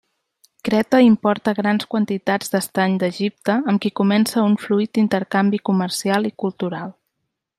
Creta importa grans quantitats d'estany d'Egipte, amb qui comença un fluid intercanvi comercial i cultural.